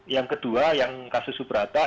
yang kedua yang kasus subrata